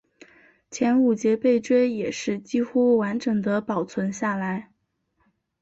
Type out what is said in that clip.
前五节背椎也是几乎完整地保存下来。